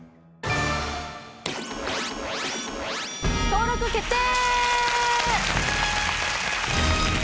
登録決定！